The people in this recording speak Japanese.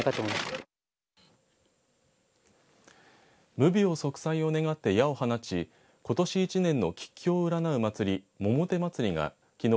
無病息災を願って矢を放ちことし一年の吉凶を占う祭り百手まつりがきのう